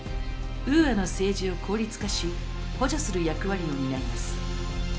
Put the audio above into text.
ウーアの政治を効率化し補助する役割を担います。